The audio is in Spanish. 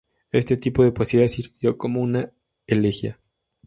Este tipo de poesía sirvió como una elegía.